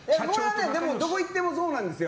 どこに行ってもそうなんですよ。